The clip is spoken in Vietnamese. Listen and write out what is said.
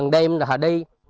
bằng đêm họ đi